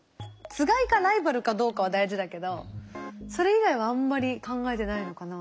つがいかライバルかどうかは大事だけどそれ以外はあんまり考えてないのかな？